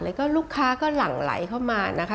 แล้วก็ลูกค้าก็หลั่งไหลเข้ามานะคะ